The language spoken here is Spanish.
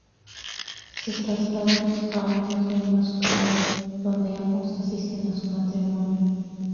Se trasladan a un Ingenio azucarero donde ambos asisten a su matrimonio.